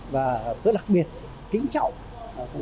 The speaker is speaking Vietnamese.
và tôi đặc biệt kính trọng